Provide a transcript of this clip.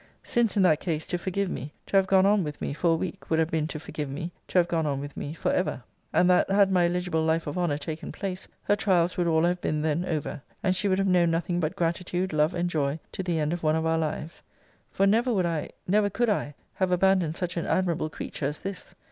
Since in that case, to forgive me, to have gone on with me, for a week, would have been to forgive me, to have gone on with me, for ever. And that, had my eligible life of honour taken place, her trials would all have been then over: and she would have known nothing but gratitude, love, and joy, to the end of one of our lives. For never would I, never could I, have abandoned such an admirable creature as this.